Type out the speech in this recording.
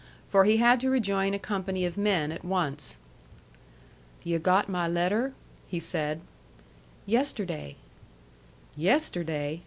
For he had to rejoin a company of men at once. "Yu' got my letter?" he said. "Yesterday." "Yesterday!